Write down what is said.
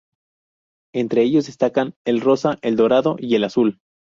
Entre ellos destacan el rosa, el dorado y el azul.